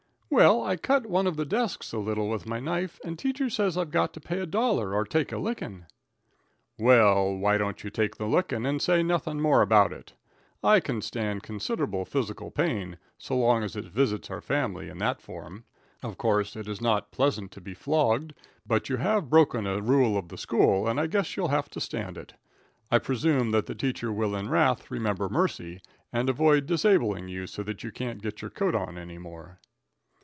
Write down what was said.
"Well, I cut one of the desks a little with my knife, and the teacher says I've got to pay a dollar or take a lickin'." "Well, why don't you take the licking and say nothing more about it? I can stand considerable physical pain, so long as it visits our family in that form. Of course, it is not pleasant to be flogged, but you have broken a rule of the school, and I guess you'll have to stand it. I presume that the teacher will in wrath remember mercy, and avoid disabling you so that you can't get your coat on any more."